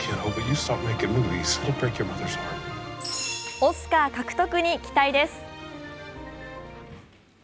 オスカー獲得に期待です。